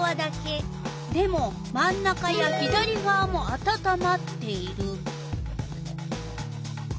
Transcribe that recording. でも真ん中や左がわもあたたまっている。